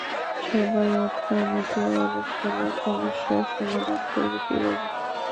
সবাই আপনার মত অলস হলে সমস্যার সমাধান করব কিভাবে?